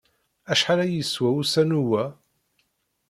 Acḥal ay yeswa usanew-a?